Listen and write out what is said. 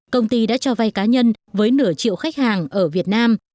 công ty đã cho vay cá nhân với nửa triệu khách hàng ở việt nam